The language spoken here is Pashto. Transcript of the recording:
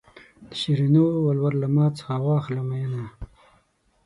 د شیرینو ولور له ما څخه واخله مینه.